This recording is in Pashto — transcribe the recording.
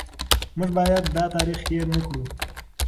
موږ باید دا تاریخ هېر نه کړو.